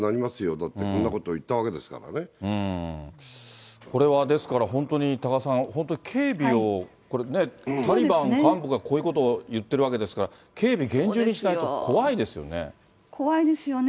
だって、こんこれはですから、本当に、多賀さん、本当に警備を、タリバン幹部がこういうことを言っているわけですから、警備、厳重にしないと怖いですよね。